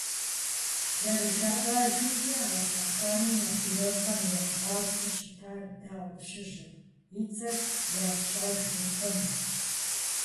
Зэрыжаӏэжымкӏэ, а лъэхъэнэм адыгэхэм я гъуазэу щытар Дау пщыжьырт, и цӏэр ящӏэжыркъым.